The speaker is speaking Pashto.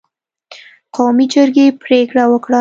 قومي جرګې پرېکړه وکړه